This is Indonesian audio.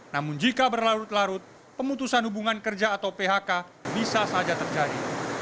namun jika berlarut larut pemutusan hubungan kerja atau phk bisa saja terjadi